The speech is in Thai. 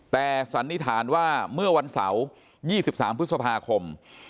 แต่สันนิษฐานว่าเมื่อวันเสาร์๒๓พฤษภาคม